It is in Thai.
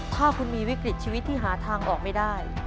ถ้าคุณมีวิกฤตชีวิตที่หาทางออกไม่ได้